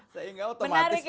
sehingga otomatis tadi